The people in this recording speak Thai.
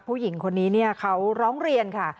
ผู้หญิงคนนี้เนี่ยเขาร้องเรียนค่ะ